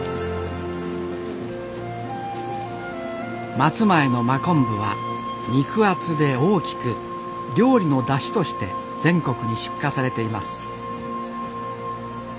松前の真昆布は肉厚で大きく料理のだしとして全国に出荷されています。